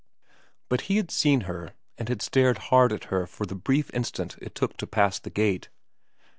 But he had seen her, and had stared hard at her for the brief instant it took to pass the gate.